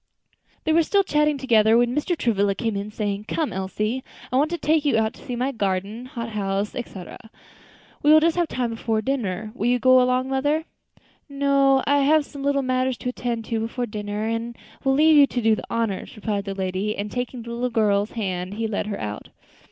They were still chatting together when Mr. Travilla came in, saying, "Come, Elsie, I want to take you out to see my garden, hot house, etc. We will just have time before dinner. Will you go along, mother?" "No; I have some little matters to attend to before dinner, and will leave you to do the honors," replied the lady; and taking the little girl's hand he led her out.